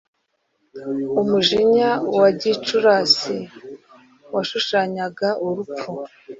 umwijima wa gicurasi washushanyaga urupfu,